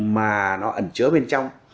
mà nó ẩn trớ bên trong